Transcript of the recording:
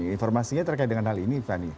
informasinya terkait dengan hal ini fani